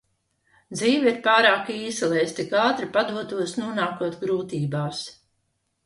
Dzīve ir pārāk īsa, lai es tik ātri padotos nonākot grūtībās.